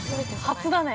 ◆初だね。